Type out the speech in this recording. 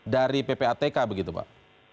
dari ppatk begitu pak